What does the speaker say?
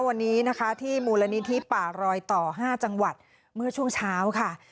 วันนี้นะคะที่มูลนิธิป่ารอยต่อ๕จังหวัดเมื่อช่วงเช้าค่ะ